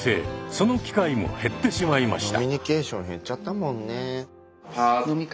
その機会も減ってしまいました。